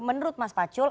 menurut mas pacul